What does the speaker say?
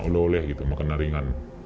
oleh oleh makanan ringan